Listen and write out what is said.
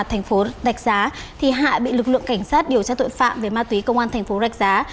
thành phố rạch giá hạ bị lực lượng cảnh sát điều tra tội phạm về ma túy công an tp rạch giá